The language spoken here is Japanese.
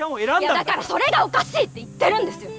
だからそれがおかしいって言ってるんです！